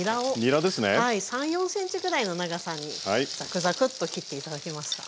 ３４ｃｍぐらいの長さにざくざくっと切って頂けますか？